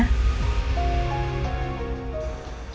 kamu tau dari mana